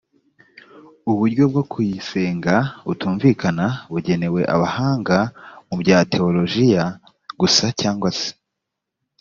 uburyo bwo kuyisenga butumvikana bugenewe abahanga mu bya tewolojiya gusa cyangwa se